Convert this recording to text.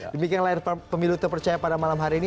demikian layar pemilu terpercaya pada malam hari ini